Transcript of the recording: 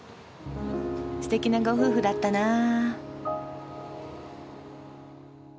すてきなご夫婦だったなぁ。